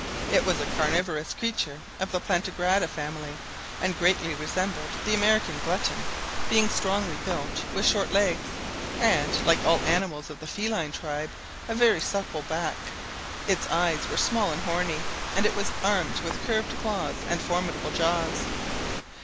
It was a carnivorous creature of the plantigrada family, and greatly resembled the American glutton, being strongly built, with short legs, and, like all animals of the feline tribe, a very supple back; its eyes were small and horny, and it was armed with curved claws and formidable jaws.